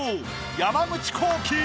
山口航輝。